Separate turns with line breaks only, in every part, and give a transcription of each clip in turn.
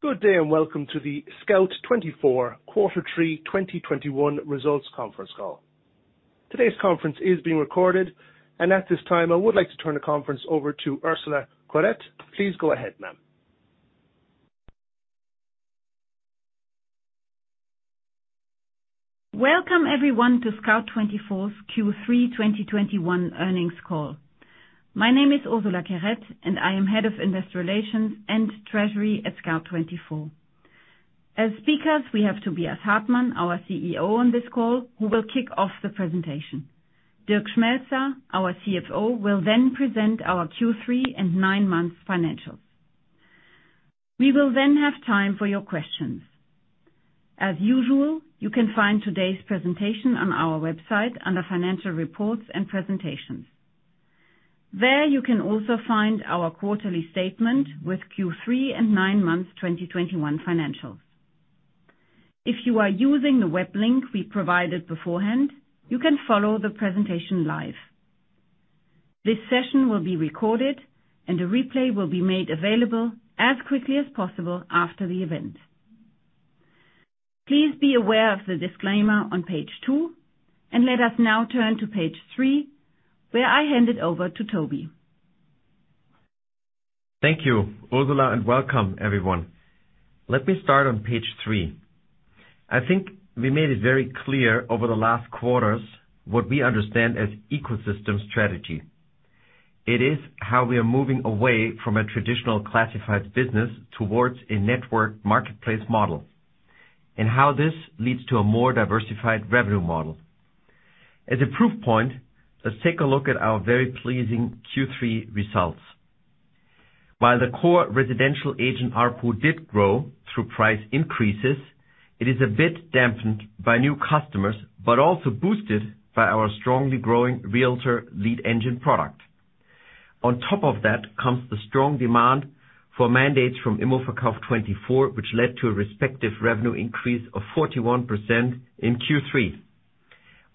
Good day and welcome to the Scout24 Quarter Three 2021 Results Conference Call. Today's conference is being recorded, and at this time, I would like to turn the conference over to Ursula Querette. Please go ahead, ma'am.
Welcome everyone to Scout24's Q3 2021 earnings call. My name is Ursula Querette, and I am Head of Investor Relations and Treasury at Scout24. As speakers, we have Tobias Hartmann, our CEO on this call, who will kick off the presentation. Dirk Schmelzer, our CFO, will then present our Q3 and nine-month financials. We will then have time for your questions. As usual, you can find today's presentation on our website under Financial Reports and Presentations. There you can also find our quarterly statement with Q3 and nine months 2021 financials. If you are using the web link we provided beforehand, you can follow the presentation live. This session will be recorded and a replay will be made available as quickly as possible after the event. Please be aware of the disclaimer on page two, and let us now turn to page three, where I hand it over to Toby.
Thank you, Ursula, and welcome everyone. Let me start on page three. I think we made it very clear over the last quarters what we understand as ecosystem strategy. It is how we are moving away from a traditional classified business towards a network marketplace model, and how this leads to a more diversified revenue model. As a proof point, let's take a look at our very pleasing Q3 results. While the core residential agent ARPU did grow through price increases, it is a bit dampened by new customers, but also boosted by our strongly growing Realtor Lead Engine product. On top of that comes the strong demand for mandates from Immoverkauf24, which led to a respective revenue increase of 41% in Q3.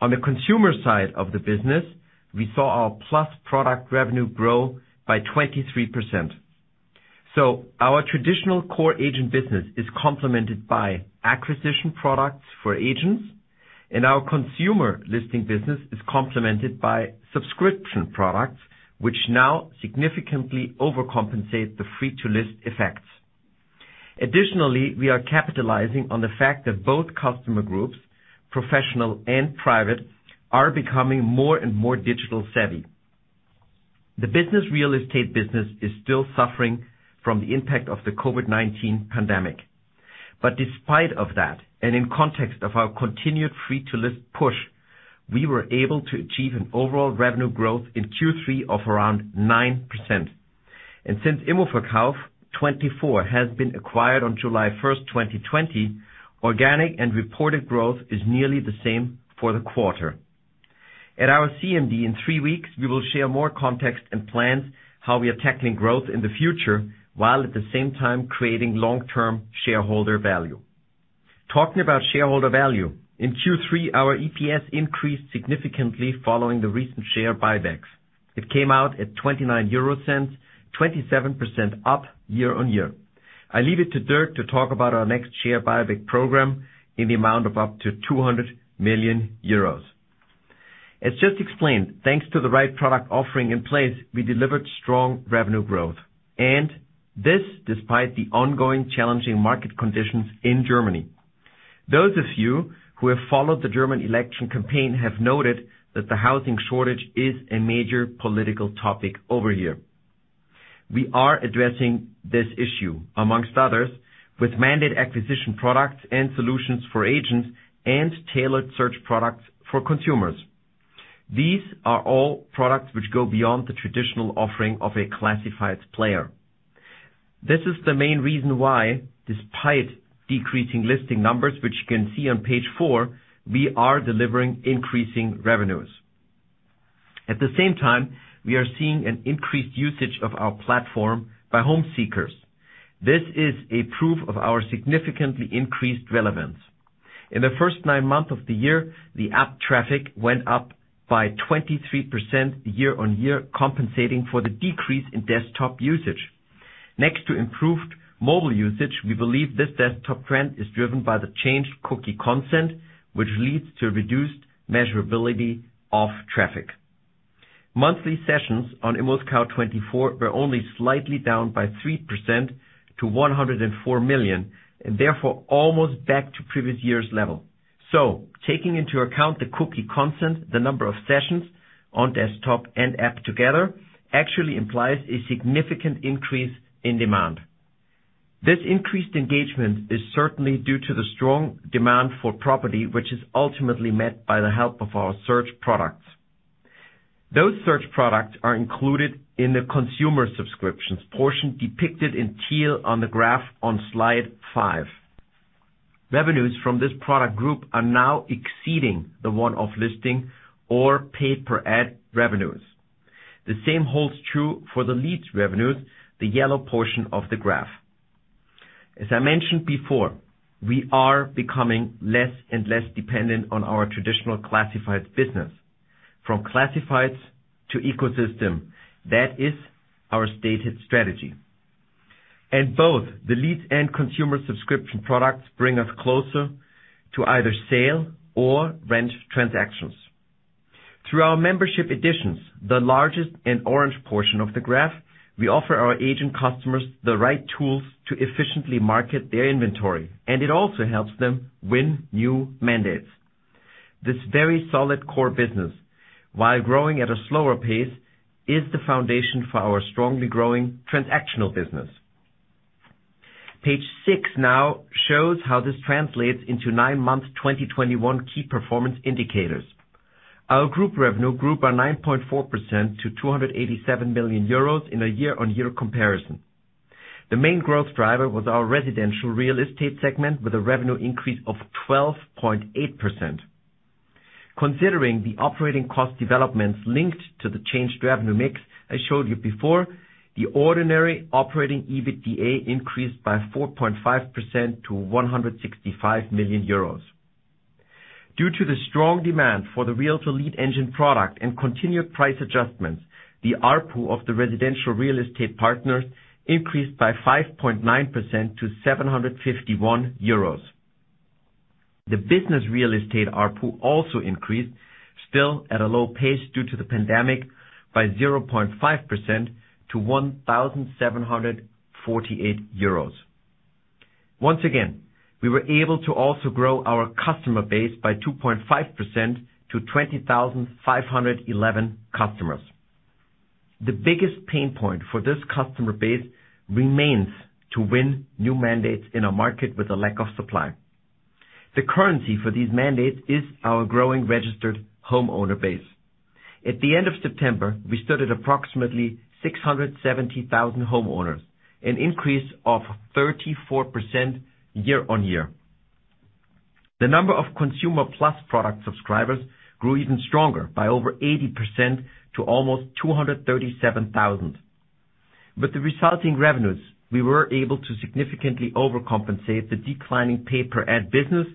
On the consumer side of the business, we saw our Plus product revenue grow by 23%. Our traditional core agent business is complemented by acquisition products for agents, and our consumer listing business is complemented by subscription products, which now significantly overcompensate the free to list effects. Additionally, we are capitalizing on the fact that both customer groups, professional and private, are becoming more and more digitally savvy. The B2B real estate business is still suffering from the impact of the COVID-19 pandemic. Despite that, and in context of our continued free to list push, we were able to achieve an overall revenue growth in Q3 of around 9%. Since Immoverkauf24 has been acquired on July 1, 2020, organic and reported growth is nearly the same for the quarter. At our CMD in three weeks, we will share more context and plans how we are tackling growth in the future, while at the same time creating long-term shareholder value. Talking about shareholder value, in Q3, our EPS increased significantly following the recent share buybacks. It came out at 0.29 euro, 27% up YoY. I leave it to Dirk to talk about our next share buyback program in the amount of up to 200 million euros. As just explained, thanks to the right product offering in place, we delivered strong revenue growth. This despite the ongoing challenging market conditions in Germany. Those of you who have followed the German election campaign have noted that the housing shortage is a major political topic over here. We are addressing this issue, amongst others, with mandate acquisition products and solutions for agents and tailored search products for consumers. These are all products which go beyond the traditional offering of a classifieds player. This is the main reason why, despite decreasing listing numbers, which you can see on page four, we are delivering increasing revenues. At the same time, we are seeing an increased usage of our platform by home seekers. This is a proof of our significantly increased relevance. In the first nine months of the year, the app traffic went up by 23% year-on-year, compensating for the decrease in desktop usage. Next to improved mobile usage, we believe this desktop trend is driven by the changed cookie consent, which leads to reduced measurability of traffic. Monthly sessions on Immoverkauf24 were only slightly down by 3% to 104 million, and therefore almost back to previous year's level. Taking into account the cookie consent, the number of sessions on desktop and app together actually implies a significant increase in demand. This increased engagement is certainly due to the strong demand for property, which is ultimately met by the help of our search products. Those search products are included in the consumer subscriptions portion depicted in teal on the graph on slide five. Revenues from this product group are now exceeding the one-off listing or Pay-per-ad revenues. The same holds true for the leads revenues, the yellow portion of the graph. As I mentioned before, we are becoming less and less dependent on our traditional classified business. From classifieds to ecosystem. That is our stated strategy. Both the leads and consumer subscription products bring us closer to either sale or rent transactions. Through our membership editions, the largest and orange portion of the graph, we offer our agent customers the right tools to efficiently market their inventory, and it also helps them win new mandates. This very solid core business, while growing at a slower pace, is the foundation for our strongly growing transactional business. Page six now shows how this translates into nine-month 2021 key performance indicators. Our group revenue grew by 9.4% to 287 million euros in a year-on-year comparison. The main growth driver was our residential real estate segment, with a revenue increase of 12.8%. Considering the operating cost developments linked to the changed revenue mix I showed you before, the ordinary operating EBITDA increased by 4.5% to 165 million euros. Due to the strong demand for the Realtor Lead Engine product and continued price adjustments, the ARPU of the residential real estate partners increased by 5.9% to 751 euros. The business real estate ARPU also increased, still at a low pace due to the pandemic, by 0.5% to 1,748 euros. Once again, we were able to also grow our customer base by 2.5% to 20,511 customers. The biggest pain point for this customer base remains to win new mandates in a market with a lack of supply. The currency for these mandates is our growing registered homeowner base. At the end of September, we stood at approximately 670,000 homeowners, an increase of 34% year-on-year. The number of consumer plus product subscribers grew even stronger by over 80% to almost 237,000. With the resulting revenues, we were able to significantly overcompensate the declining Pay-per-ad business,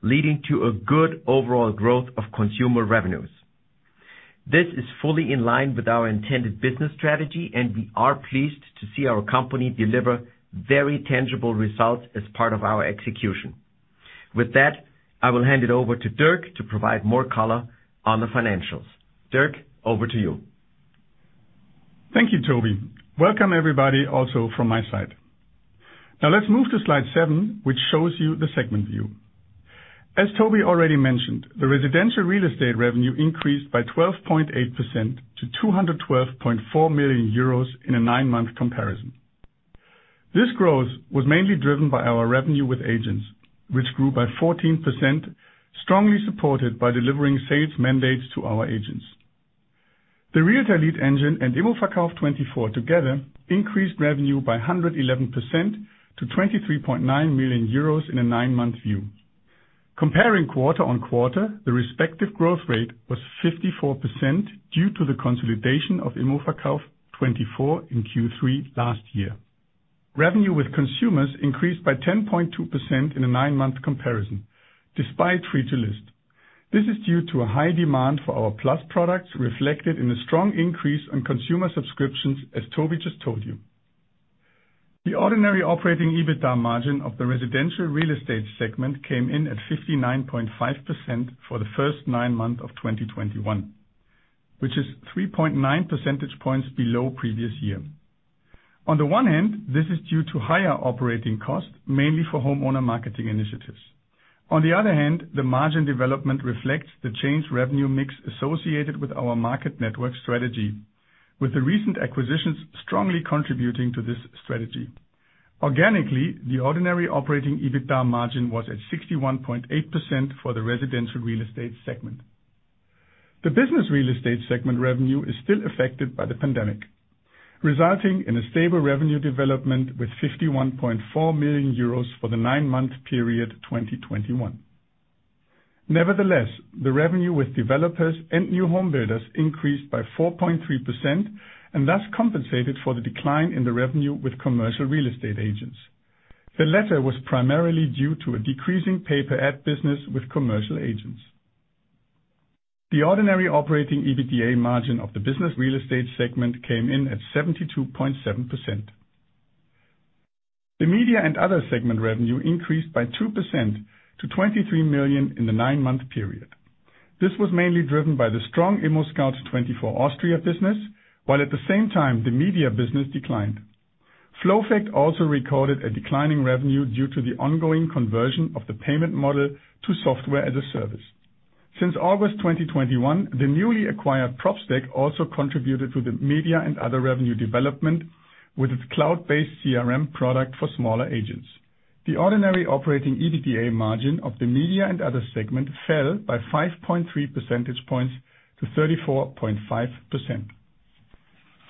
leading to a good overall growth of consumer revenues. This is fully in line with our intended business strategy, and we are pleased to see our company deliver very tangible results as part of our execution. With that, I will hand it over to Dirk to provide more color on the financials. Dirk, over to you.
Thank you, Toby. Welcome, everybody, also from my side. Now let's move to slide seven, which shows you the segment view. As Toby already mentioned, the residential real estate revenue increased by 12.8% to 212.4 million euros in a nine-month comparison. This growth was mainly driven by our revenue with agents, which grew by 14%, strongly supported by delivering sales mandates to our agents. The Realtor Lead Engine and Immoverkauf24 together increased revenue by 111% to 23.9 million euros in a nine-month view. Comparing quarter-on-quarter, the respective growth rate was 54% due to the consolidation of Immoverkauf24 in Q3 last year. Revenue with consumers increased by 10.2% in a nine-month comparison, despite free to list. This is due to a high demand for our Plus products, reflected in a strong increase in consumer subscriptions, as Toby just told you. The ordinary operating EBITDA margin of the Residential Real Estate segment came in at 59.5% for the first nine months of 2021, which is 3.9 percentage points below previous year. On the one hand, this is due to higher operating costs, mainly for homeowner marketing initiatives. On the other hand, the margin development reflects the changed revenue mix associated with our market network strategy, with the recent acquisitions strongly contributing to this strategy. Organically, the ordinary operating EBITDA margin was at 61.8% for the Residential Real Estate segment. The Business Real Estate segment revenue is still affected by the pandemic, resulting in a stable revenue development with 51.4 million euros for the nine-month period, 2021. Nevertheless, the revenue with developers and new home builders increased by 4.3% and thus compensated for the decline in the revenue with commercial real estate agents. The latter was primarily due to a decreasing Pay-per-ad business with commercial agents. The ordinary operating EBITDA margin of the Business Real Estate segment came in at 72.7%. The Media and Other segment revenue increased by 2% to 23 million in the nine-month period. This was mainly driven by the strong ImmoScout24 Austria business, while at the same time the media business declined. Flowfact also recorded a declining revenue due to the ongoing conversion of the payment model to software as a service. Since August 2021, the newly acquired Propstack also contributed to the media and other revenue development with its cloud-based CRM product for smaller agents. The ordinary operating EBITDA margin of the media and other segment fell by 5.3 percentage points to 34.5%.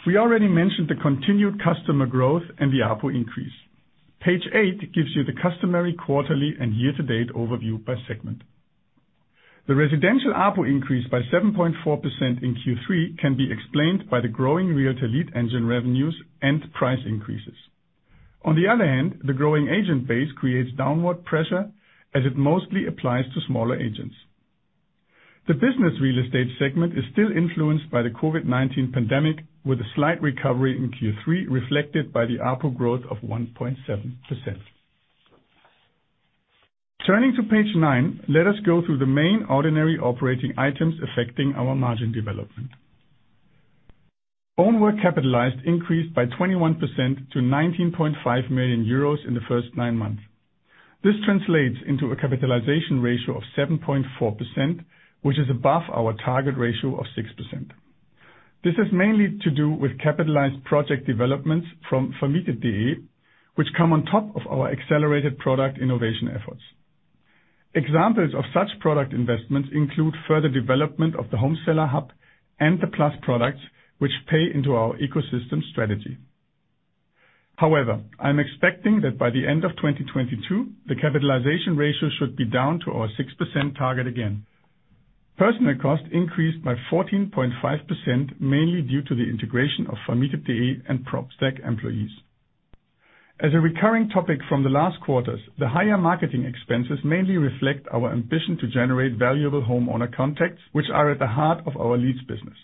We already mentioned the continued customer growth and the ARPU increase. Page eight gives you the customary quarterly and year-to-date overview by segment. The residential ARPU increase by 7.4% in Q3 can be explained by the growing Realtor Lead Engine revenues and price increases. On the other hand, the growing agent base creates downward pressure as it mostly applies to smaller agents. The business real estate segment is still influenced by the COVID-19 pandemic, with a slight recovery in Q3 reflected by the ARPU growth of 1.7%. Turning to page nine, let us go through the main ordinary operating items affecting our margin development. Own work capitalized increased by 21% to 19.5 million euros in the first nine months. This translates into a capitalization ratio of 7.4%, which is above our target ratio of 6%. This is mainly to do with capitalized project developments from vermietet.de, which come on top of our accelerated product innovation efforts. Examples of such product investments include further development of the Home Seller Hub and the Plus products which pay into our ecosystem strategy. However, I'm expecting that by the end of 2022, the capitalization ratio should be down to our 6% target again. Personnel costs increased by 14.5%, mainly due to the integration of vermietet.de and Propstack employees. As a recurring topic from the last quarters, the higher marketing expenses mainly reflect our ambition to generate valuable homeowner contacts, which are at the heart of our leads business.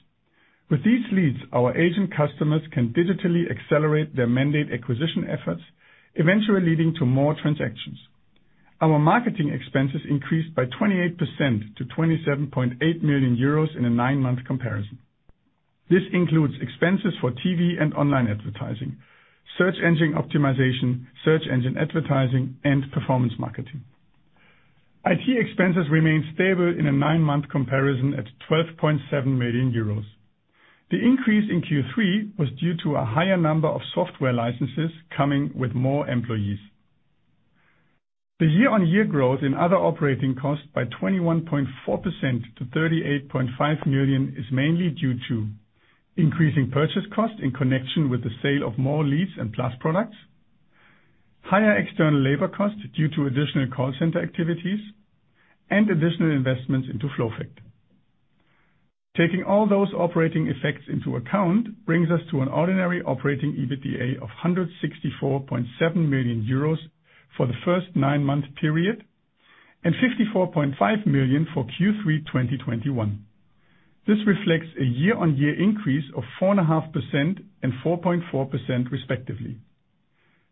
With these leads, our agent customers can digitally accelerate their mandate acquisition efforts, eventually leading to more transactions. Our marketing expenses increased by 28% to 27.8 million euros in a nine-month comparison. This includes expenses for TV and online advertising, search engine optimization, search engine advertising, and performance marketing. IT expenses remained stable in a nine-month comparison at 12.7 million euros. The increase in Q3 was due to a higher number of software licenses coming with more employees. The year-on-year growth in other operating costs by 21.4% to 38.5 million is mainly due to increasing purchase costs in connection with the sale of more leads and plus products, higher external labor costs due to additional call center activities, and additional investments into Flowfact. Taking all those operating effects into account brings us to an ordinary operating EBITDA of 164.7 million euros for the first nine-month period and 54.5 million for Q3 2021. This reflects a year-on-year increase of 4.5% and 4.4% respectively.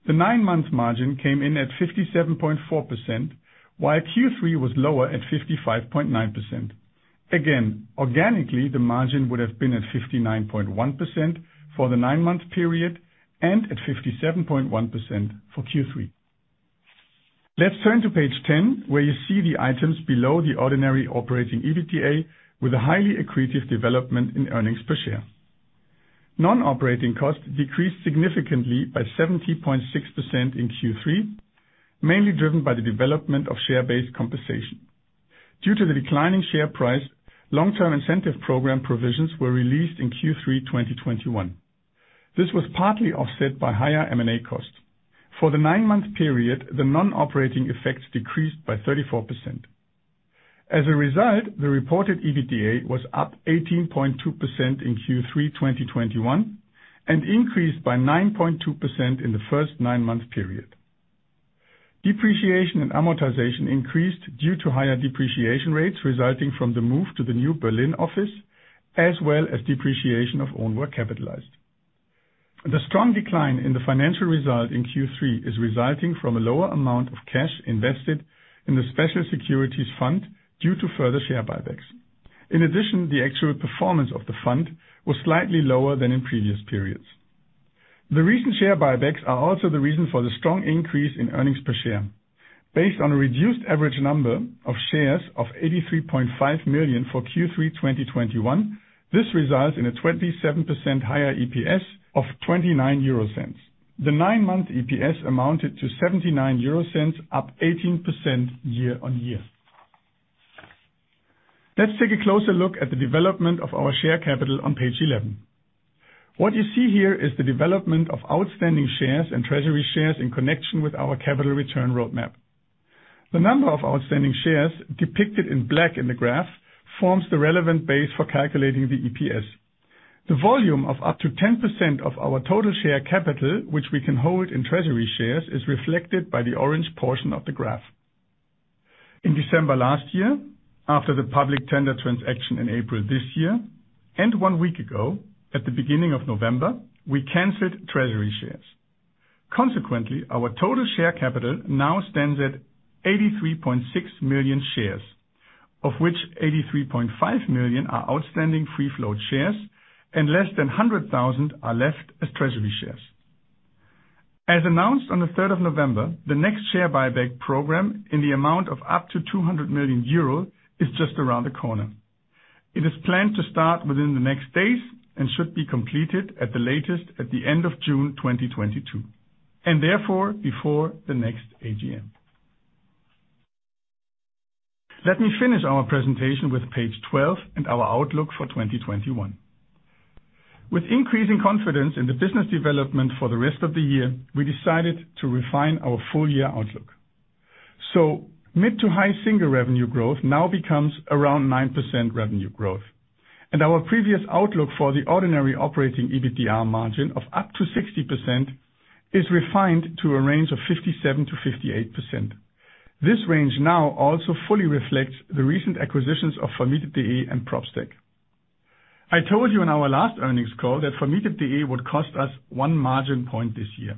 The nine-month margin came in at 57.4%, while Q3 was lower at 55.9%. Again, organically, the margin would have been at 59.1% for the nine-month period and at 57.1% for Q3. Let's turn to page 10, where you see the items below the ordinary operating EBITDA with a highly accretive development in earnings per share. Non-operating costs decreased significantly by 70.6% in Q3, mainly driven by the development of share-based compensation. Due to the declining share price, long-term incentive program provisions were released in Q3 2021. This was partly offset by higher M&A costs. For the nine-month period, the non-operating effects decreased by 34%. As a result, the reported EBITDA was up 18.2% in Q3 2021 and increased by 9.2% in the first nine-month period. Depreciation and amortization increased due to higher depreciation rates resulting from the move to the new Berlin office, as well as depreciation of own work capitalized. The strong decline in the financial result in Q3 is resulting from a lower amount of cash invested in the special securities fund due to further share buybacks. In addition, the actual performance of the fund was slightly lower than in previous periods. The recent share buybacks are also the reason for the strong increase in earnings per share. Based on a reduced average number of shares of 83.5 million for Q3 2021, this results in a 27% higher EPS of 0.29. The nine-month EPS amounted to 0.79, up 18% year-on-year. Let's take a closer look at the development of our share capital on page 11. What you see here is the development of outstanding shares and treasury shares in connection with our capital return roadmap. The number of outstanding shares depicted in black in the graph forms the relevant base for calculating the EPS. The volume of up to 10% of our total share capital, which we can hold in treasury shares, is reflected by the orange portion of the graph. In December last year, after the public tender transaction in April this year, and one week ago, at the beginning of November, we canceled treasury shares. Consequently, our total share capital now stands at 83.6 million shares, of which 83.5 million are outstanding free float shares and less than 100,000 are left as treasury shares. As announced on the third of November, the next share buyback program in the amount of up to 200 million euro is just around the corner. It is planned to start within the next days and should be completed at the latest at the end of June 2022, and therefore before the next AGM. Let me finish our presentation with page 12 and our outlook for 2021. With increasing confidence in the business development for the rest of the year, we decided to refine our full year outlook. Mid to high single revenue growth now becomes around 9% revenue growth. Our previous outlook for the ordinary operating EBITDA margin of up to 60% is refined to a range of 57%-58%. This range now also fully reflects the recent acquisitions of vermietet.de and Propstack. I told you in our last earnings call that vermietet.de would cost us one margin point this year.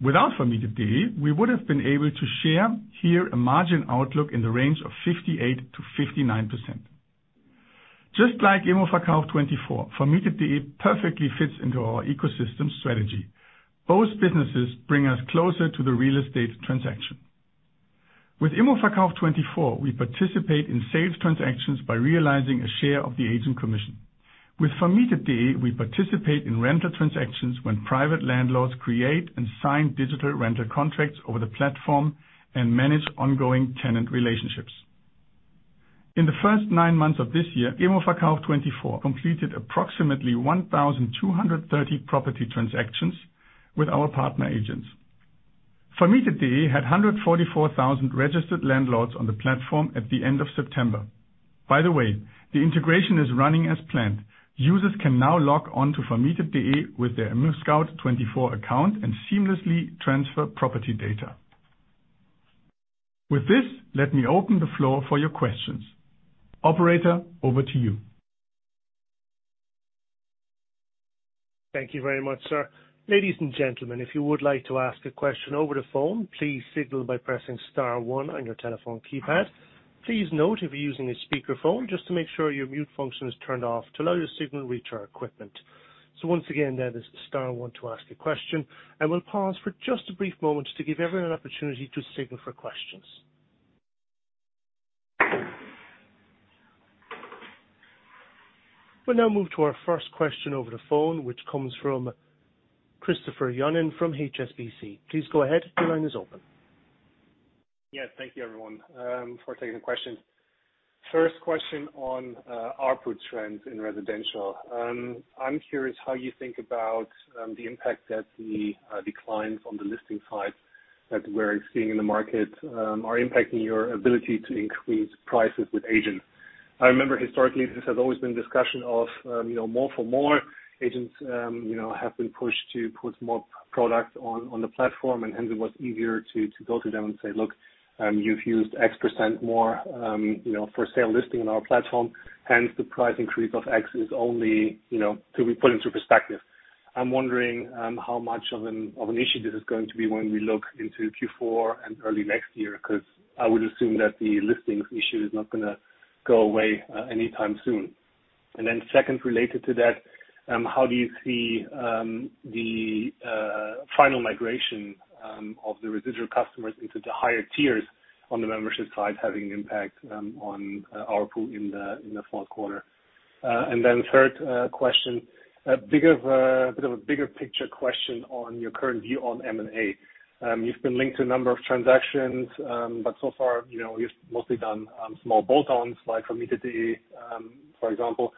Without vermietet.de, we would have been able to share here a margin outlook in the range of 58%-59%. Just like Immoverkauf24, vermietet.de perfectly fits into our ecosystem strategy. Both businesses bring us closer to the real estate transaction. With Immoverkauf24, we participate in sales transactions by realizing a share of the agent commission. With vermietet.de, we participate in rental transactions when private landlords create and sign digital rental contracts over the platform and manage ongoing tenant relationships. In the first nine months of this year, Immoverkauf24 completed approximately 1,230 property transactions with our partner agents. vermietet.de had 144,000 registered landlords on the platform at the end of September. By the way, the integration is running as planned. Users can now log on to vermietet.de with their ImmoScout24 account and seamlessly transfer property data. With this, let me open the floor for your questions. Operator, over to you.
Thank you very much, sir. Ladies and gentlemen, if you would like to ask a question over the phone, please signal by pressing star one on your telephone keypad. Please note if you're using a speakerphone, just to make sure your mute function is turned off to allow your signal to reach our equipment. Once again, that is star one to ask a question, and we'll pause for just a brief moment to give everyone an opportunity to signal for questions. We'll now move to our first question over the phone, which comes from Christoph Bast from HSBC. Please go ahead. The line is open.
Yes. Thank you, everyone, for taking the question. First question on ARPU trends in residential. I'm curious how you think about the impact that the declines on the listing side that we're seeing in the market are impacting your ability to increase prices with agents. I remember historically, this has always been discussion of, you know, more for more agents, you know, have been pushed to put more product on the platform, and hence it was easier to go to them and say, "Look, you've used X% more, you know, for sale listing on our platform. Hence, the price increase of X is only, you know, to be put into perspective." I'm wondering how much of an issue this is going to be when we look into Q4 and early next year, 'cause I would assume that the listings issue is not gonna go away anytime soon. Then second, related to that, how do you see the final migration of the residual customers into the higher tiers on the membership side having impact on ARPU in the fourth quarter? Then third, a bit of a bigger picture question on your current view on M&A. You've been linked to a number of transactions, but so far, you know, you've mostly done small bolt-ons like vermietet.de, for example.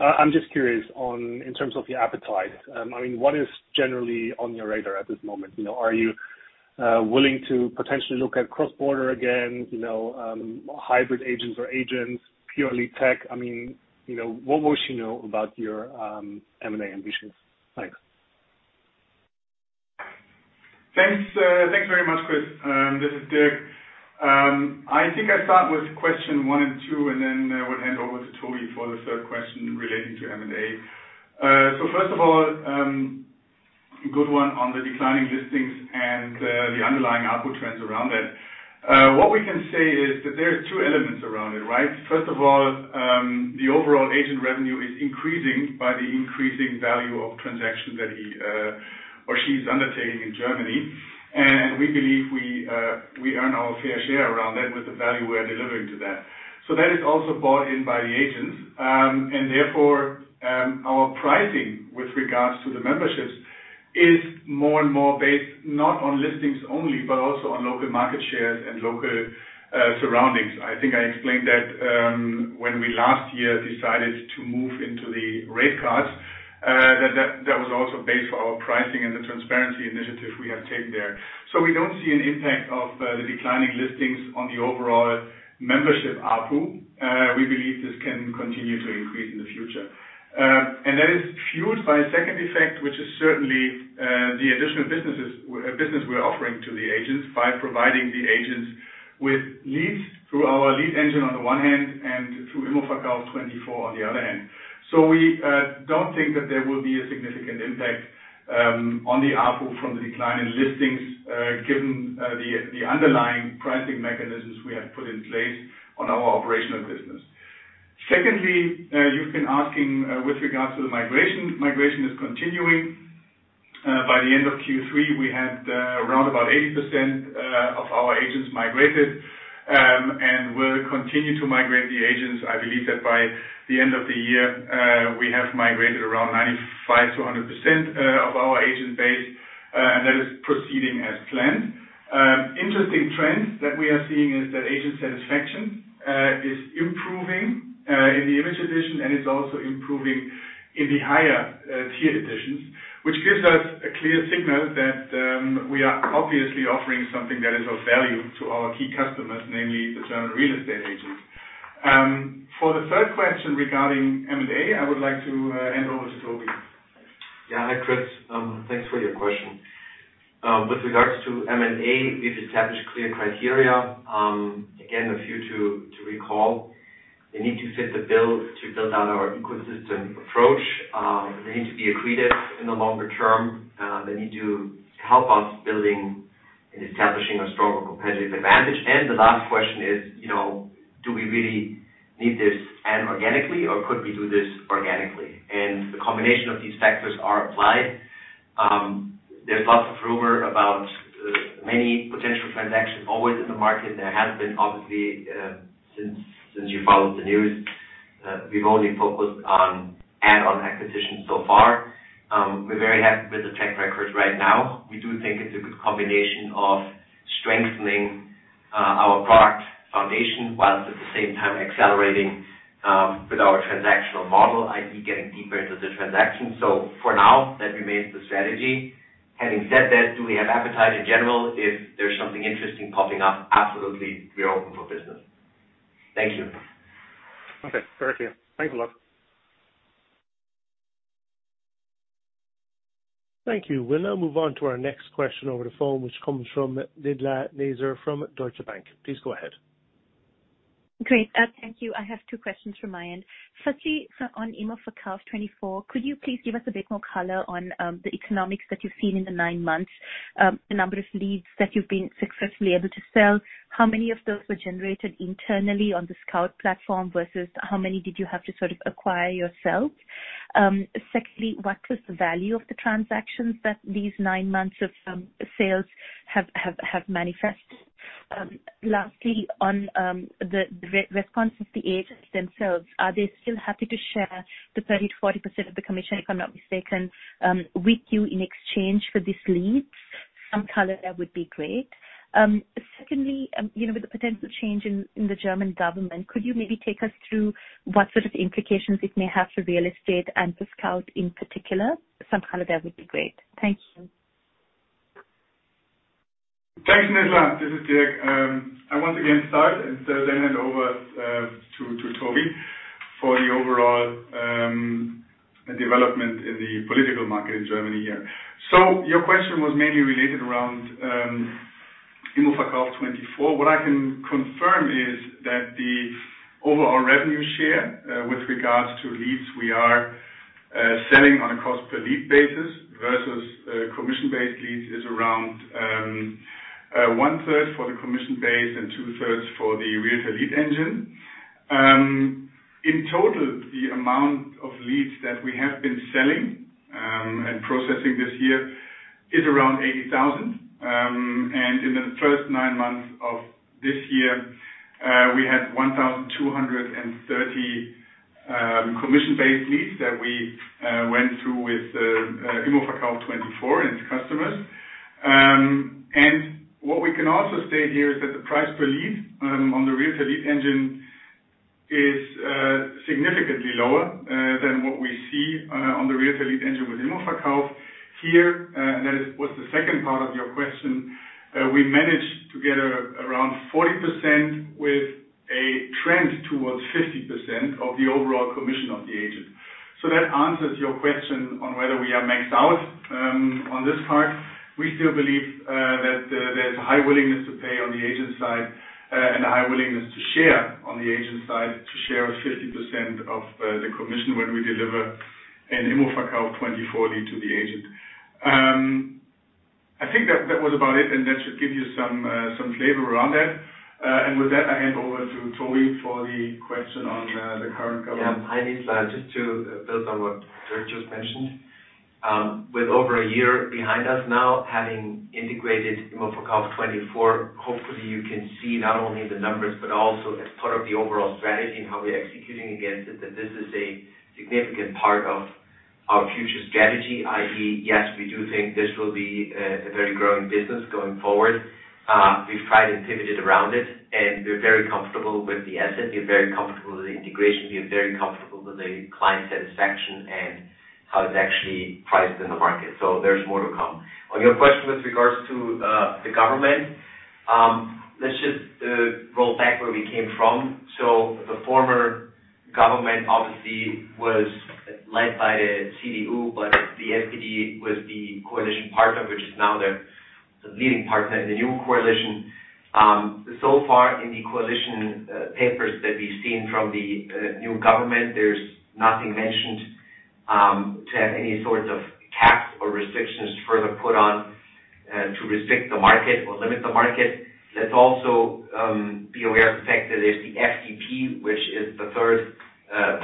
I'm just curious on, in terms of your appetite, I mean, what is generally on your radar at this moment? You know, are you willing to potentially look at cross-border again, you know, hybrid agents or agents, purely tech? I mean, you know, what we should know about your M&A ambitions? Thanks.
Thanks, thanks very much, Chris. This is Dirk. I think I'll start with question one and two, and then, we'll hand over to Toby for the third question relating to M&A. First of all, good one on the declining listings and, the underlying ARPU trends around that. What we can say is that there are two elements around it, right? First of all, the overall agent revenue is increasing by the increasing value of transactions that he, or she's undertaking in Germany. And we believe we earn our fair share around that with the value we are delivering to that. That is also bought in by the agents. Therefore, our pricing with regards to the memberships is more and more based not on listings only, but also on local market shares and local surroundings. I think I explained that when we last year decided to move into the rate cards, that was also based for our pricing and the transparency initiatives we have taken there. We don't see an impact of the declining listings on the overall membership ARPU. We believe this can continue to increase in the future. That is fueled by a second effect, which is certainly the additional businesses, business we're offering to the agents by providing the agents with leads through our lead engine on the one hand and through Immoverkauf24 on the other hand. We don't think that there will be a significant impact on the ARPU from the decline in listings, given the underlying pricing mechanisms we have put in place on our operational business. Secondly, you've been asking with regards to the migration. Migration is continuing. By the end of Q3, we had around about 80% of our agents migrated, and we'll continue to migrate the agents. I believe that by the end of the year, we have migrated around 95%-100% of our agent base, and that is proceeding as planned. Interesting trend that we are seeing is that agent satisfaction is improving in the Image Edition, and it's also improving in the higher tier editions, which gives us a clear signal that we are obviously offering something that is of value to our key customers, namely the German real estate agents. For the third question regarding M&A, I would like to hand over to Toby.
Yeah. Hi, Chris. Thanks for your question. With regards to M&A, we've established clear criteria. Again, a few to recall. They need to fit the bill to build out our ecosystem approach. They need to be accretive in the longer term. They need to help us building and establishing a stronger competitive advantage. The last question is, you know, do we really need this and organically, or could we do this organically? The combination of these factors are applied. There's lots of rumor about many potential transactions always in the market. There has been obviously, since you followed the news, we've only focused on add-on acquisitions so far. We're very happy with the track record right now. We do think it's a good combination of strengthening our product foundation while at the same time accelerating with our transactional model, i.e., getting deeper into the transaction. For now, that remains the strategy. Having said that, do we have appetite in general if there's something interesting popping up? Absolutely. We are open for business. Thank you.
Okay. Perfect. Thanks a lot.
Thank you. We'll now move on to our next question over the phone, which comes from Nizla Naizer from Deutsche Bank. Please go ahead.
Great. Thank you. I have two questions from my end. Firstly, so on Immoverkauf24, could you please give us a bit more color on the economics that you've seen in the nine months, the number of leads that you've been successfully able to sell, how many of those were generated internally on the Scout platform versus how many did you have to sort of acquire yourselves? Secondly, what was the value of the transactions that these nine months of sales have manifested? Lastly, on the response of the agents themselves, are they still happy to share the 30%-40% of the commission, if I'm not mistaken, with you in exchange for these leads? Some color there would be great. Secondly, you know, with the potential change in the German government, could you maybe take us through what sort of implications it may have for real estate and for Scout in particular? Some color there would be great. Thank you.
Thanks, Nizla. This is Dirk. I once again start and so then hand over to Toby for the overall development in the property market in Germany here. Your question was mainly related around Immoverkauf24. What I can confirm is that the overall revenue share with regards to leads we are selling on a cost per lead basis versus commission-based leads is around one-third for the commission base and two-thirds for the Realtor Lead Engine. In total, the amount of leads that we have been selling and processing this year is around 80,000. In the first nine months of this year, we had 1,230 commission-based leads that we went through with Immoverkauf24 and its customers. What we can also state here is that the price per lead on the Realtor Lead Engine is significantly lower than what we see on the Realtor Lead Engine with Immoverkauf24. Here, and that was the second part of your question. We managed to get around 40% with a trend towards 50% of the overall commission of the agent. That answers your question on whether we are maxed out on this part. We still believe that there's a high willingness to pay on the agent side and a high willingness to share on the agent side, to share 50% of the commission when we deliver an Immoverkauf24 lead to the agent. I think that was about it, and that should give you some flavor around that. With that, I hand over to Toby for the question on the current government.
Yeah. Hi, Nizla. Just to build on what Dirk just mentioned. With over a year behind us now, having integrated Immoverkauf24, hopefully, you can see not only the numbers, but also as part of the overall strategy and how we're executing against it, that this is a significant part of our future strategy, i.e., yes, we do think this will be a very growing business going forward. We've tried and pivoted around it, and we're very comfortable with the asset. We're very comfortable with the integration. We're very comfortable with the client satisfaction and how it's actually priced in the market. There's more to come. On your question with regards to the government, let's just roll back where we came from. The former government obviously was led by the CDU, but the FDP was the coalition partner, which is now the leading partner in the new coalition. So far in the coalition papers that we've seen from the new government, there's nothing mentioned to have any sorts of caps or restrictions further put on to restrict the market or limit the market. Let's also be aware of the fact that there's the FDP, which is the third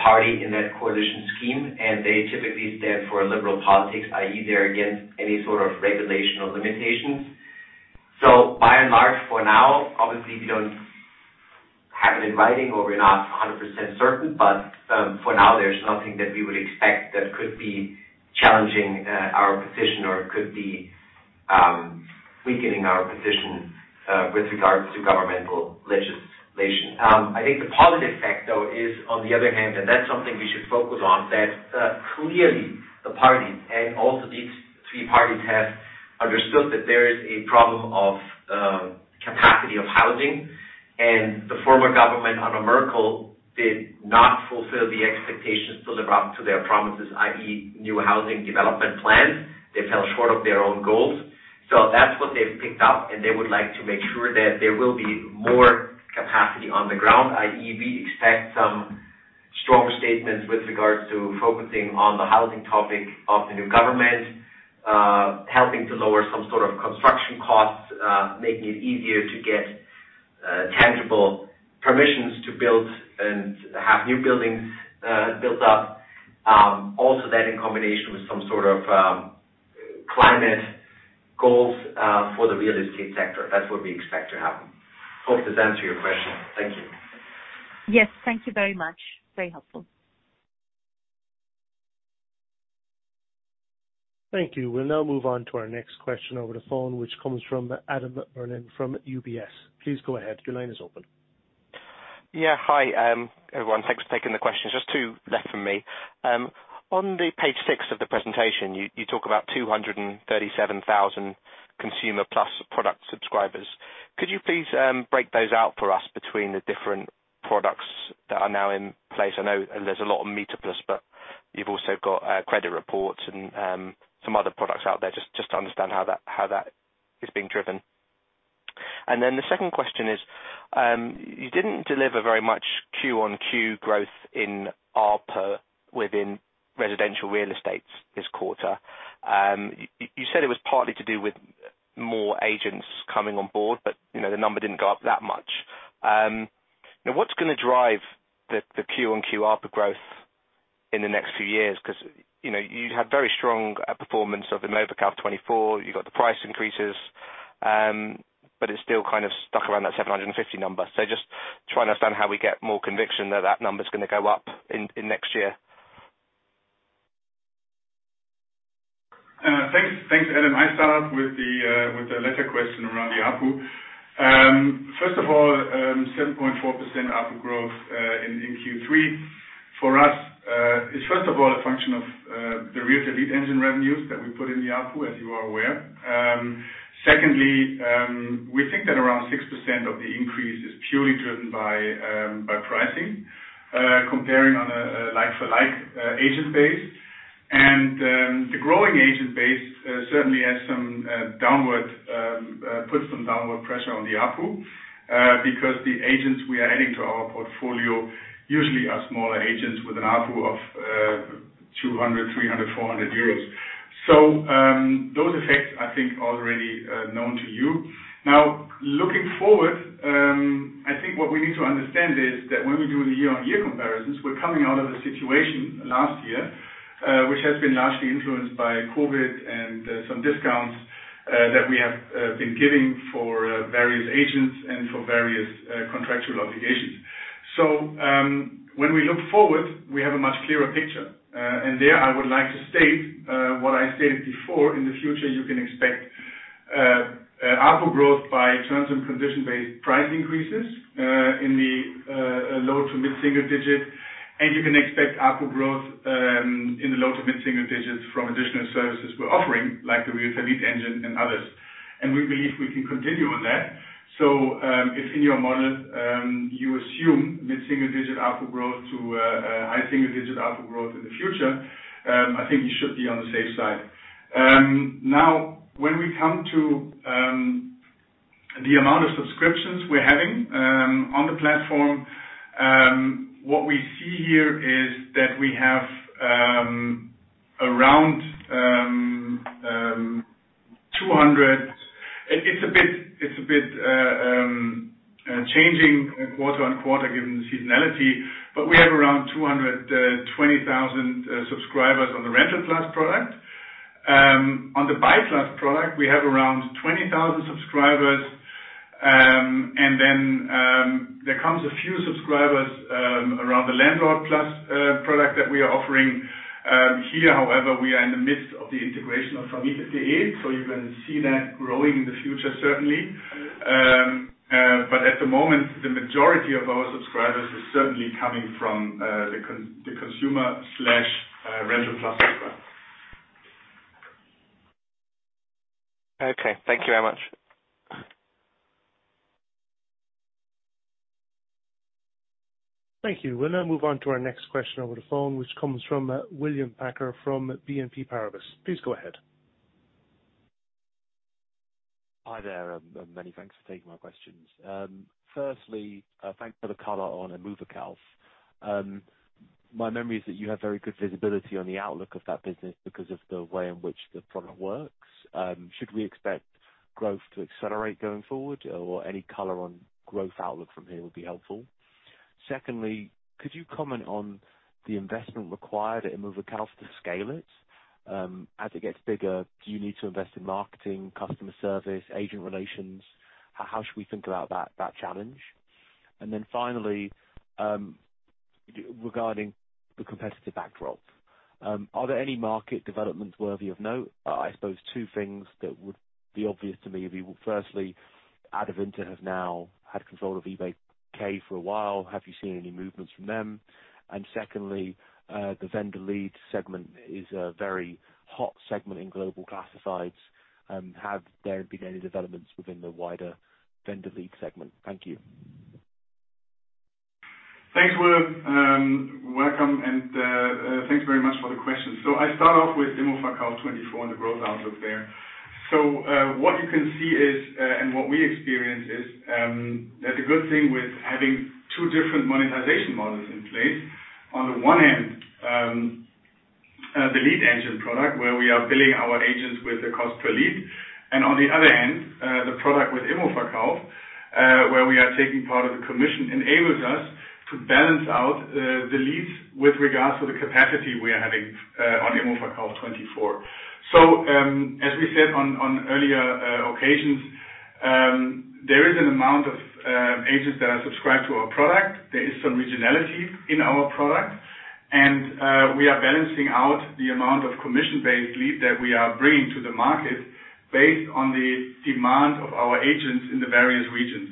party in that coalition scheme, and they typically stand for liberal politics, i.e., they're against any sort of regulation or limitations. By large, for now, obviously we don't have it in writing or we're not 100% certain, but, for now there's nothing that we would expect that could be challenging our position or could be weakening our position with regards to governmental legislation. I think the positive effect, though, is on the other hand, and that's something we should focus on, that, clearly the parties and also these three parties have- Understood that there is a problem of capacity of housing. The former government under Merkel did not fulfill the expectations to live up to their promises, i.e., new housing development plans. They fell short of their own goals. That's what they've picked up, and they would like to make sure that there will be more capacity on the ground, i.e., we expect some strong statements with regards to focusing on the housing topic of the new government, helping to lower some sort of construction costs, making it easier to get tangible permissions to build and have new buildings built up. Also that in combination with some sort of climate goals for the real estate sector. That's what we expect to happen. Hope this answers your question. Thank you.
Yes. Thank you very much. Very helpful.
Thank you. We'll now move on to our next question over the phone, which comes from Adam Berlin from UBS. Please go ahead. Your line is open.
Hi, everyone. Thanks for taking the questions. Just two left from me. On the page six of the presentation, you talk about 237,000 consumer Plus product subscribers. Could you please break those out for us between the different products that are now in place? I know there's a lot of MieterPlus, but you've also got credit reports and some other products out there. Just to understand how that is being driven. The second question is, you didn't deliver very much Q-on-Q growth in ARPU within residential real estate this quarter. You said it was partly to do with more agents coming on board, but you know, the number didn't go up that much. Now, what's gonna drive the Q-on-Q ARPU growth in the next few years? 'Cause, you know, you had very strong performance of the ImmoScout24. You got the price increases, but it's still kind of stuck around that 750 number. Just trying to understand how we get more conviction that that number's gonna go up in next year.
Thanks. Thanks, Adam. I start off with the latter question around the ARPU. First of all, 7.4% ARPU growth in Q3 for us is first of all a function of the Realtor Lead Engine revenues that we put in the ARPU, as you are aware. Secondly, we think that around 6% of the increase is purely driven by pricing, comparing on a like-for-like agent base. The growing agent base certainly has some downward pressure on the ARPU, because the agents we are adding to our portfolio usually are smaller agents with an ARPU of 200, 300, 400 euros. Those effects, I think, are already known to you. Now, looking forward, I think what we need to understand is that when we do the year-on-year comparisons, we're coming out of a situation last year, which has been largely influenced by COVID and some discounts that we have been giving for various agents and for various contractual obligations. When we look forward, we have a much clearer picture. There, I would like to state what I stated before. In the future, you can expect ARPU growth by terms and conditions-based price increases in the low- to mid-single-digit. You can expect ARPU growth in the low- to mid-single-digits from additional services we're offering, like the Realtor Lead Engine and others. We believe we can continue on that. If in your model you assume mid-single digit ARPU growth to high single digit ARPU growth in the future, I think you should be on the safe side. Now, when we come to the amount of subscriptions we're having on the platform, what we see here is that we have around 220,000 subscribers on the TenantPlus product. It's a bit changing quarter-on-quarter given the seasonality, but we have around 220,000 subscribers on the TenantPlus product. On the BuyerPlus product, we have around 20,000 subscribers. There comes a few subscribers around the LandlordPlus product that we are offering. Here, however, we are in the midst of the integration of vermietet.de. You can see that growing in the future, certainly. At the moment, the majority of our subscribers is certainly coming from the consumer LandlordPlus subscriber.
Okay. Thank you very much.
Thank you. We'll now move on to our next question over the phone, which comes from, William Packer from Exane BNP Paribas. Please go ahead.
Hi there. Many thanks for taking my questions. Firstly, thanks for the color on Immoverkauf24. My memory is that you have very good visibility on the outlook of that business because of the way in which the product works. Should we expect growth to accelerate going forward or any color on growth outlook from here would be helpful. Secondly, could you comment on the investment required at Immoverkauf24 to scale it? As it gets bigger, do you need to invest in marketing, customer service, agent relations? How should we think about that challenge? Finally, regarding the competitive backdrop, are there any market developments worthy of note? I suppose two things that would be obvious to me would be, firstly, Adevinta have now had control of eBay Kleinanzeigen for a while. Have you seen any movements from them? Secondly, the vendor lead segment is a very hot segment in global classifieds. Have there been any developments within the wider vendor lead segment? Thank you.
Thanks, Will. Welcome, and thanks very much for the question. I start off with Immoverkauf24 and the growth outlook there. What you can see is, and what we experience is, that the good thing with having two different monetization models in place, on the one hand, the lead engine product, where we are billing our agents with the cost per lead, and on the other hand, the product with Immoverkauf24, where we are taking part of the commission, enables us to balance out the leads with regards to the capacity we are having on Immoverkauf24. As we said on earlier occasions, there is an amount of agents that are subscribed to our product. There is some regionality in our product. We are balancing out the amount of commission-based lead that we are bringing to the market based on the demand of our agents in the various regions.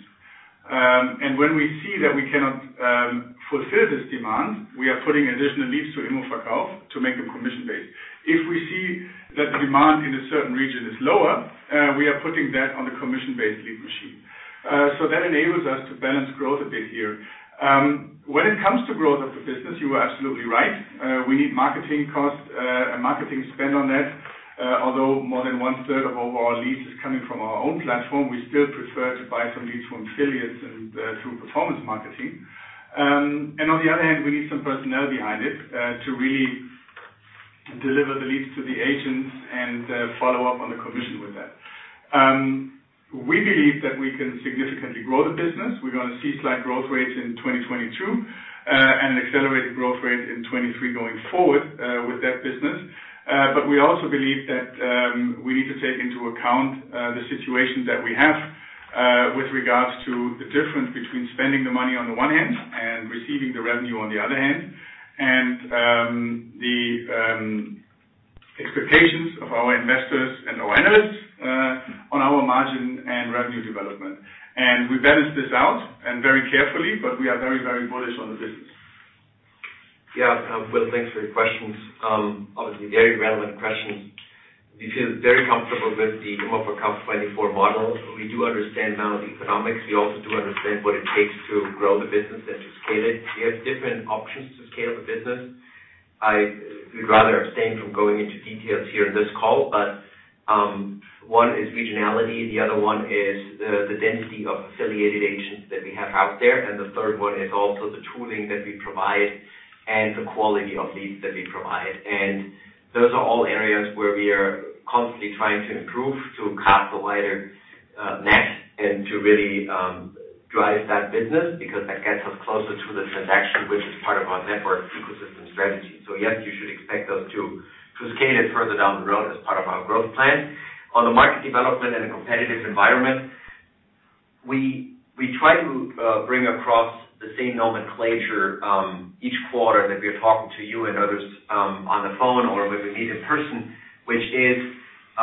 When we see that we cannot fulfill this demand, we are putting additional leads to Immoverkauf24 to make them commission-based. If we see that the demand in a certain region is lower, we are putting that on the commission-based lead machine. That enables us to balance growth a bit here. When it comes to growth of the business, you are absolutely right. We need marketing costs and marketing spend on that. Although more than one-third of all our leads is coming from our own platform, we still prefer to buy some leads from affiliates and through performance marketing. On the other hand, we need some personnel behind it to really deliver the leads to the agents and follow up on the commission with that. We believe that we can significantly grow the business. We're gonna see slight growth rates in 2022 and an accelerated growth rate in 2023 going forward with that business. But we also believe that we need to take into account the situation that we have with regards to the difference between spending the money on the one hand and receiving the revenue on the other hand. The expectations of our investors and our analysts on our margin and revenue development. We balance this out and very carefully, but we are very, very bullish on the business.
Yeah. Will, thanks for your questions. Obviously very relevant questions. We feel very comfortable with the Immoverkauf24 model. We do understand now the economics. We also do understand what it takes to grow the business and to scale it. We have different options to scale the business. I would rather abstain from going into details here in this call, but one is regionality, the other one is the density of affiliated agents that we have out there, and the third one is also the tooling that we provide and the quality of leads that we provide. Those are all areas where we are constantly trying to improve, to cast a wider net and to really drive that business because that gets us closer to the transaction, which is part of our network ecosystem strategy. Yes, you should expect us to scale it further down the road as part of our growth plan. On the market development and the competitive environment, we try to bring across the same nomenclature each quarter that we are talking to you and others on the phone or when we meet in person, which is,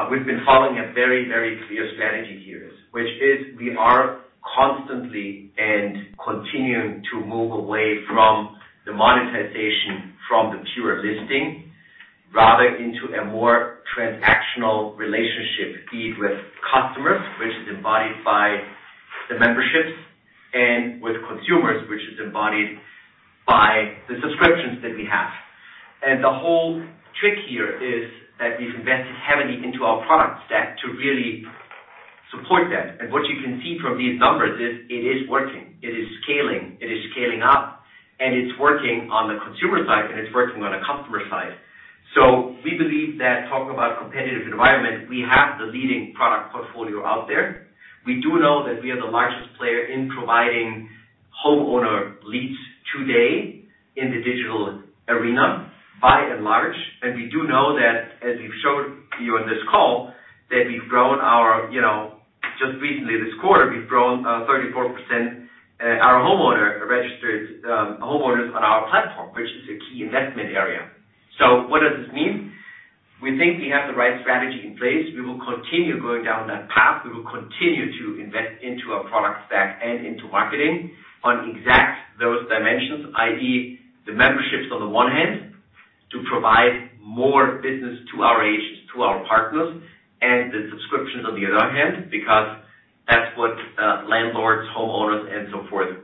we've been following a very clear strategy here, which is we are constantly and continuing to move away from the monetization from the pure listing, rather into a more transactional relationship be it with customers, which is embodied by the memberships, and with consumers, which is embodied by the subscriptions that we have. The whole trick here is that we've invested heavily into our product stack to really support that. What you can see from these numbers is it is working. It is scaling. It is scaling up, and it's working on the consumer side, and it's working on the customer side. We believe that, talk about competitive environment, we have the leading product portfolio out there. We do know that we are the largest player in providing homeowner leads today in the digital arena, by and large. We do know that, as we've showed you on this call, that we've grown our, you know, just recently this quarter 34% our homeowner registered homeowners on our platform, which is a key investment area. What does this mean? We think we have the right strategy in place. We will continue going down that path. We will continue to invest into our product stack and into marketing on exactly those dimensions, i.e., the memberships on the one hand, to provide more business to our agents, to our partners, and the subscriptions on the other hand, because that's what landlords, homeowners, and so forth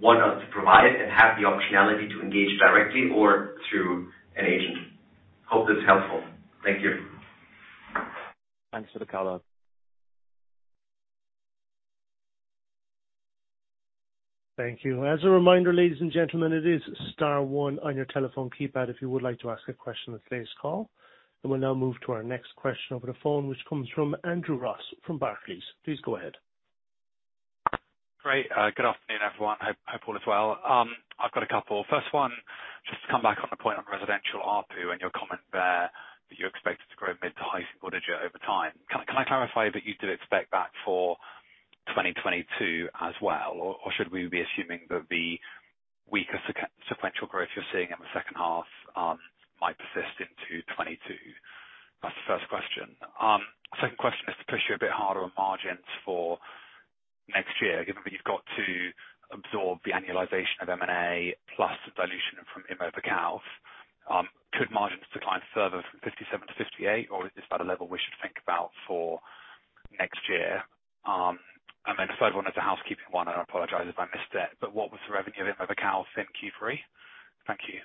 want us to provide and have the optionality to engage directly or through an agent. Hope that's helpful. Thank you.
Thanks for the color.
Thank you. As a reminder, ladies and gentlemen, it is star one on your telephone keypad if you would like to ask a question on today's call. We'll now move to our next question over the phone, which comes from Andrew Ross from Barclays. Please go ahead.
Great. Good afternoon, everyone. Hi, Paul, as well. I've got a couple. First one, just to come back on the point on residential ARPU and your comment there that you expect it to grow mid- to high-single-digit% over time. Can I clarify that you do expect that for 2022 as well or should we be assuming that the weaker sequential growth you're seeing in the second half might persist into 2022? That's the first question. Second question is to push you a bit harder on margins for next year, given that you've got to absorb the annualization of M&A plus dilution from Immoverkauf24. Could margins decline further from 57%-58%, or is this about a level we should think about for next year? Third one is a housekeeping one, and I apologize if I missed it, but what was the revenue of Immoverkauf24 in Q3? Thank you.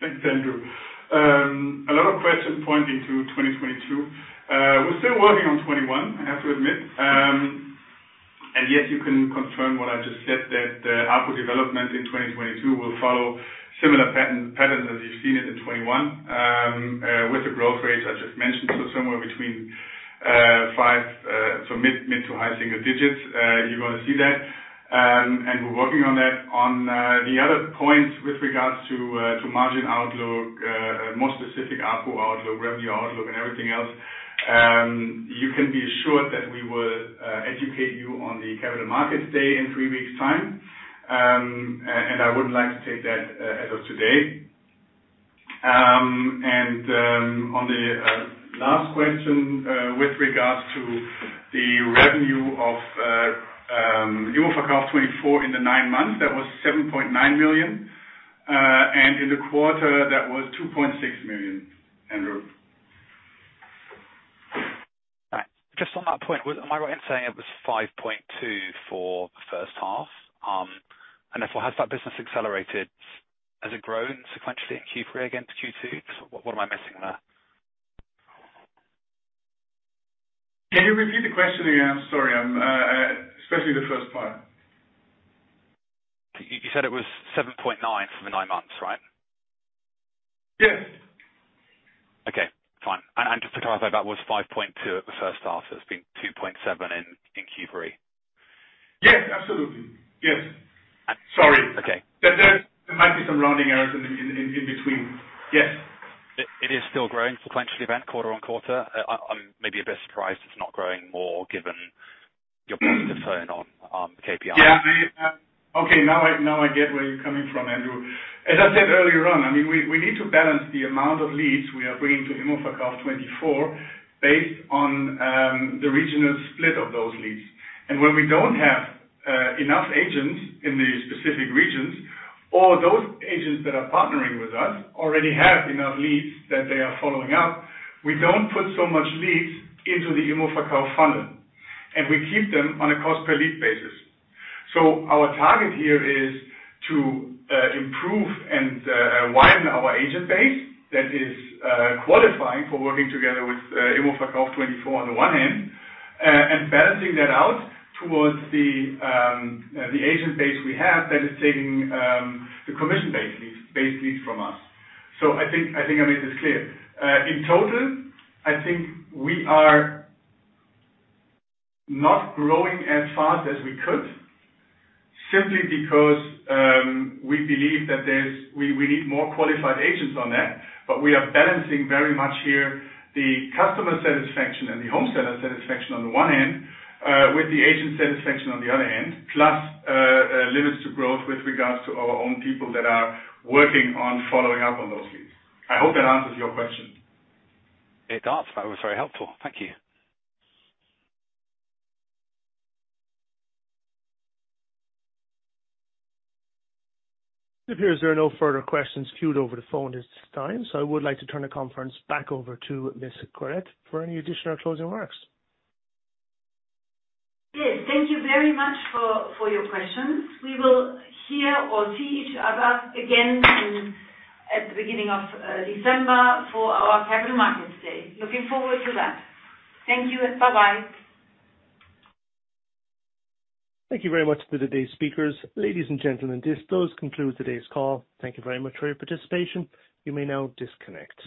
Thanks, Andrew. A lot of questions pointing to 2022. We're still working on 2021, I have to admit. Yes, you can confirm what I just said, that ARPU development in 2022 will follow similar pattern as you've seen it in 2021 with the growth rates I just mentioned. Somewhere between mid- to high-single digits. You're gonna see that. We're working on that. On the other points with regards to margin outlook, more specific ARPU outlook, revenue outlook, and everything else, you can be assured that we will educate you on the Capital Markets Day in three weeks time. I wouldn't like to take that as of today. On the last question, with regards to the revenue of Immoverkauf24 in the nine months, that was 7.9 million. In the quarter, that was 2.6 million, Andrew.
All right. Just on that point, am I right in saying it was 5.2 for the first half, and if so, has that business accelerated? Has it grown sequentially in Q3 against Q2, or what am I missing there?
Can you repeat the question again? Sorry, especially the first part.
You said it was 7.9 for the nine months, right?
Yes.
Okay, fine. Just to clarify, that was 5.2% in the first half, so it's been 2.7% in Q3.
Yes, absolutely. Yes.
And-
Sorry.
Okay.
There might be some rounding errors in between. Yes.
It is still growing sequentially then quarter-on-quarter? I'm maybe a bit surprised it's not growing more given your positive turn on the KPI.
Yeah. Okay, now I get where you're coming from, Andrew. As I said earlier on, I mean, we need to balance the amount of leads we are bringing to Immoverkauf24 based on the regional split of those leads. When we don't have enough agents in the specific regions or those agents that are partnering with us already have enough leads that they are following up, we don't put so many leads into the Immoverkauf24 funnel, and we keep them on a cost per lead basis. Our target here is to improve and widen our agent base that is qualifying for working together with Immoverkauf24 on the one hand, and balancing that out towards the agent base we have that is taking the commission-based leads from us. I think I made this clear. In total, I think we are not growing as fast as we could simply because we believe that we need more qualified agents on that. We are balancing very much here the customer satisfaction and the home seller satisfaction on the one hand, with the agent satisfaction on the other hand, plus limits to growth with regards to our own people that are working on following up on those leads. I hope that answers your question.
It does. That was very helpful. Thank you.
It appears there are no further questions queued over the phone at this time. I would like to turn the conference back over to Ms. Querette for any additional closing remarks.
Yes. Thank you very much for your questions. We will hear or see each other again at the beginning of December for our Capital Markets Day. Looking forward to that. Thank you and bye-bye.
Thank you very much to today's speakers. Ladies and gentlemen, this does conclude today's call. Thank you very much for your participation. You may now disconnect.